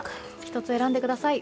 １つ、選んでください。